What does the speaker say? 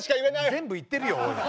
全部言ってるよおい。